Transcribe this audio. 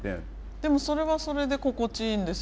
でもそれはそれで心地いいんですよね？